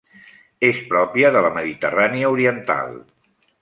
És pròpia de la Mediterrània oriental.